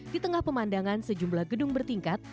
di tengah pemandangan sejumlah gedung bertingkat